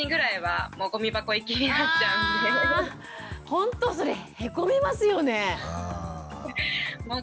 ほんとそれへこみますよね。